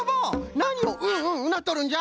なにをうんうんうなっとるんじゃ？